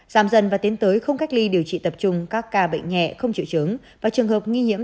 giảm dần và tiến tới không cách ly điều trị tập trung các ca bệnh nhẹ không chịu chứng và trường hợp nghi nhiễm